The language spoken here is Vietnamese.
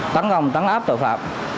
tắn gồng tắn áp tội phạm